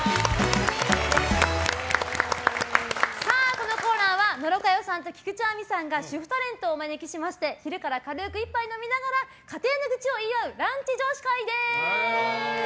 このコーナーは野呂佳代さんと菊地亜美さんが主婦タレントをお招きしまして昼から軽く一杯飲みながら家庭の愚痴を言い合うランチ女子会です。